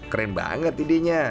keren banget idenya